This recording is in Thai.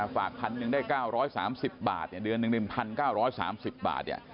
ฝากพันธุ์หนึ่งได้๙๓๐บาทเนี่ยเดือนหนึ่ง๑๙๓๐บาทเนี่ย